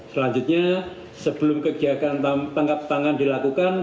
selanjutnya sebelum kegiatan tangkap tangan dilakukan